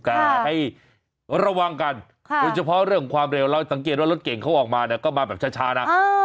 แต่ให้ระวังกันโดยเฉพาะเรื่องของความเร็วออกมาเราก็มีตัวเก่งรถเก่งก็ช้านะ